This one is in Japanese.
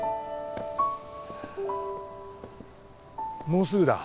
もうすぐだ。